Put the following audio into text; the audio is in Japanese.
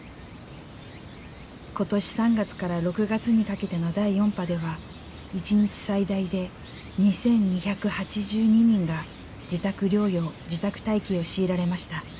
今年３月から６月にかけての第４波では一日最大で２，２８２人が自宅療養・自宅待機を強いられました。